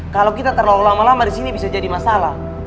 kalo kita terlalu lama lama disini bisa jadi masalah